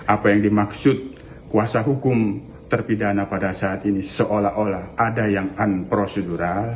apa yang dimaksud kuasa hukum terpidana pada saat ini seolah olah ada yang unprocedural